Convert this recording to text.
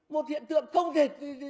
một hiện tượng không thể